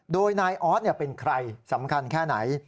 โดยนายออสเป็นใครสำคัญแค่ไหน